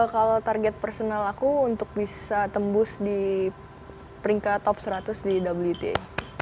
kalau target personal aku untuk bisa tembus di peringkat top seratus di wt